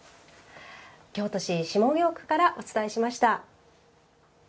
京都市下京区からお伝えしました。